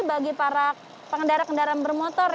bagi para pengendara kendaraan bermotor